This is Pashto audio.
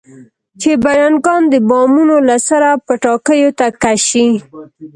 چې بډنکان د بامونو له سره پټاکیو ته کش شي.